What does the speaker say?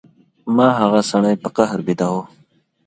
ما هغه سړی په قهر بېداوه.